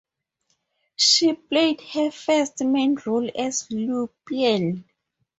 She played her first main role as Liu Pian.